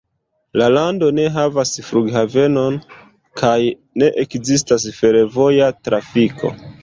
La lando ne havas flughavenon, kaj ne ekzistas fervoja trafiko.